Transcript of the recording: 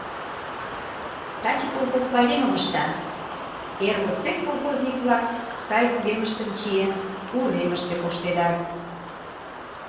Таче колхоз пайремым ышта, эр годсек колхозник-влак, сай вургемыштым чиен, уремыште коштедат.